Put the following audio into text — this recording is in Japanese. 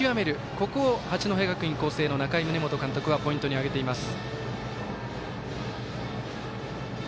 ここを八戸学院光星の仲井宗基監督はポイントに挙げています。